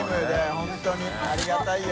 本当にありがたいよ。